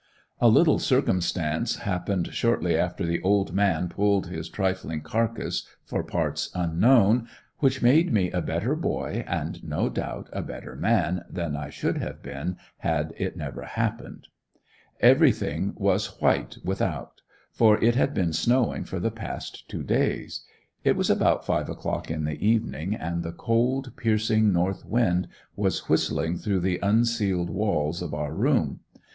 A little circumstance happened, shortly after the "old man" pulled his trifling carcass for parts unknown, which made me a better boy and no doubt a better man than I should have been had it never happened. Everything was white without, for it had been snowing for the past two days. It was about five o'clock in the evening and the cold piercing north wind was whistling through the unceiled walls of our room.